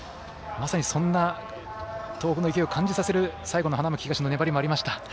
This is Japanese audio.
まさに、そんな東北の勢いを感じさせる最後の花巻東の粘りもありました。